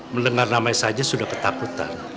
mendengar namanya saja sudah ketakutan